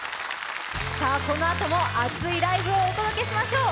このあとも熱いライブをお届けしましょう。